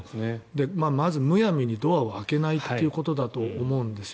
まず、むやみにドアを開けないということだと思うんですよ。